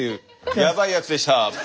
やばいやつでした。